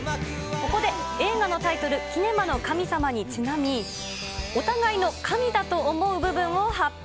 ここで映画のタイトル、キネマの神様にちなみ、お互いの神だと思う部分を発表。